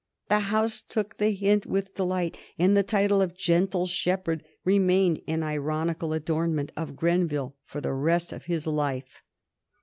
The House took the hint with delight, and the title of Gentle Shepherd remained an ironical adornment of Grenville for the rest of his life.